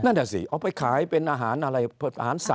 นั่นแหละสิเอาไปขายเป็นอาหารอะไรเผ็ดอาหารสระ